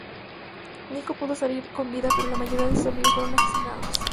Niko pudo salir con vida, pero la mayoría de sus amigos fueron asesinados.